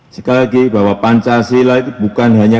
sekali lagi bahwa pancasila itu bukan hanya